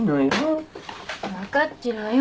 分かってるわよ